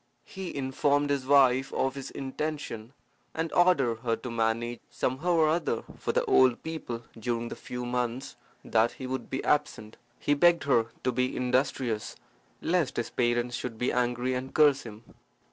He informed his wife of his intention, and ordered her to manage somehow or other for the old people during the few months that he would be absent. He begged her to be industrious, lest his parents should be angry and curse him.